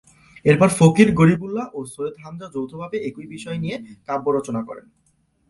এরপর ফকির গরিবুল্লাহ ও সৈয়দ হামজা যৌথভাবে একই বিষয় নিয়ে কাব্য রচনা করেন।